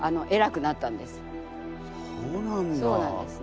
そうなんですね。